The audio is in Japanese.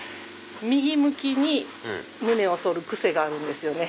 右向きに胸を反る癖があるんですよね。